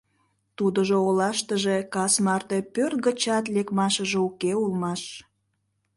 Тудыжо олаштыже кас марте пӧрт гычат лекмашыже уке улмаш.